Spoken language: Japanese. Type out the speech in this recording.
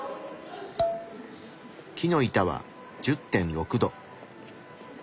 木の板は１０．６℃。